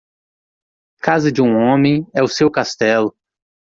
Casa de um homem é o seu castelo